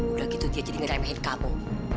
udah gitu dia jadi ngeremehin kamu